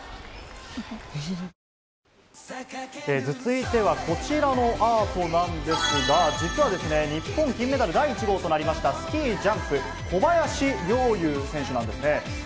続いてはこちらのアートなんですが、実は日本金メダル第１号となりました、スキージャンプ、小林陵侑選手なんですね。